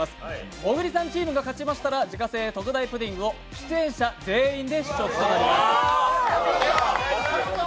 小栗さんチームが勝ちましたら自家製特大プディングを出演者全員で試食となります。